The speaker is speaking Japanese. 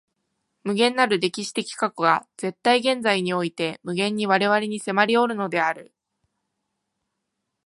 無限なる歴史的過去が絶対現在において無限に我々に迫りおるのである。